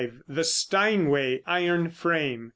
75. THE STEINWAY IRON FRAME.